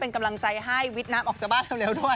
เป็นกำลังใจให้วิทย์น้ำออกจากบ้านเร็วด้วย